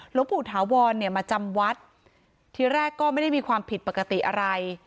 หลวงปู่ถาวรเนี่ยมาจำวัดทีแรกก็ไม่ได้มีความผิดปกติอะไร